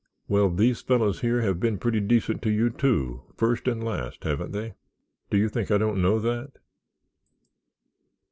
"Well, these fellows here have been pretty decent to you, too, first and last, haven't they?" "Do you think I don't know that?"